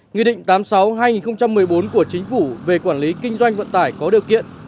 nghị định tám mươi sáu hai nghìn một mươi bốn của chính phủ về quản lý kinh doanh vận tải có điều kiện